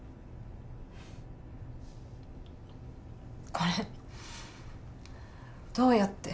これどうやって？